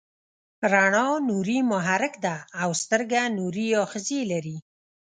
رڼا نوري محرک ده او سترګه نوري آخذې لري.